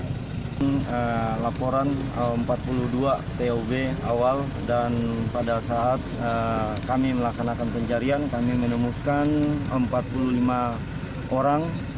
ini adalah laporan empat puluh dua tob awal dan pada saat kami melaksanakan pencarian kami menemukan empat puluh lima orang